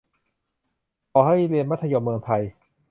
ต้องให้เรียนมัธยมเมืองไทย